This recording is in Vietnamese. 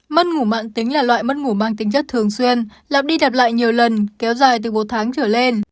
mất ngủ mạng tính là loại mất ngủ mang tính chất thường xuyên lặp đi đặt lại nhiều lần kéo dài từ một tháng trở lên